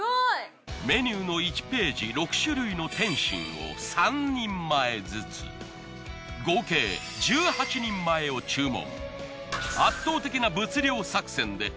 メニューの１ページ６種類の点心を３人前ずつ合計１８人前を注文。